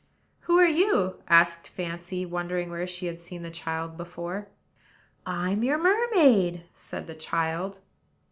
"Who are you?" asked Fancy, wondering where she had seen the child before. "I'm your mermaid," said the child.